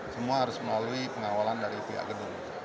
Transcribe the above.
semua harus melalui pengawalan dari pihak gedung